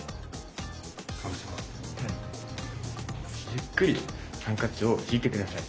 ゆっくりハンカチを引いて下さい。